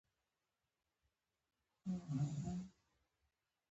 نیکولاس سپارکز وایي مینه حس کېږي لیدل کېږي نه.